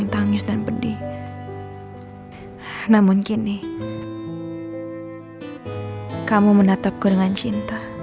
nama nama udah lama masih tinggalin